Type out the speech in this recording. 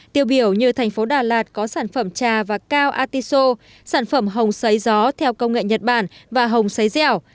tiêu biểu như thành phố đà lạt có sản phẩm trà và cao artiso sản phẩm hồng xấy gió theo công nghệ nhật bản và hồng sấy dẻo